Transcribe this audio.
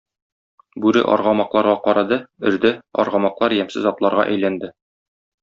Бүре аргамакларга карады, өрде, аргамаклар ямьсез атларга әйләнде.